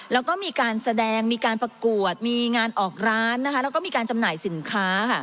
แล้วก็มีการแสดงมีการประกวดมีงานออกร้านนะคะแล้วก็มีการจำหน่ายสินค้า